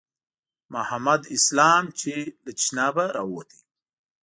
محمد اسلام چې له تشنابه راووت.